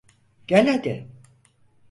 Gel hadi.